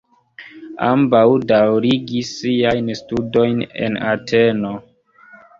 Ambaŭ daŭrigis siajn studojn en Ateno.